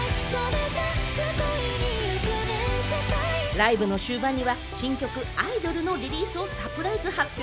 ライブの終盤には新曲『アイドル』のリリースもサプライズ発表。